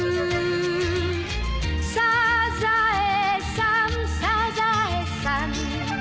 「サザエさんサザエさん」